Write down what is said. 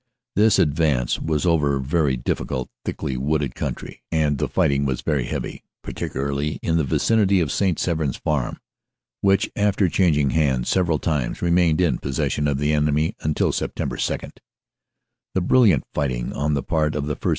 This advance was over very difficult, thickly wooded country, and the righting was very heavy, particularly in the vicinity of St. Servin s Farm, which, after changing hands several times, remained in possession of the enemy until Sept. 2." The brilliant fighting on the part of the 1st.